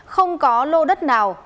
không có lô đất nào